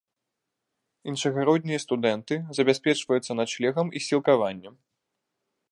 Іншагароднія студэнты забяспечваюцца начлегам і сілкаваннем.